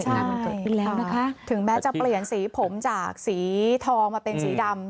ใช่ถึงแม้จะเปลี่ยนสีผมจากสีทองมาเป็นสีดำ